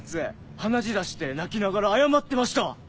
鼻血出して泣きながら謝ってましたわ。